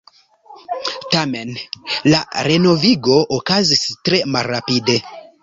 Tamen la renovigo okazis tre malrapide.